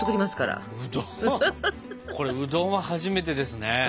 これうどんは初めてですね。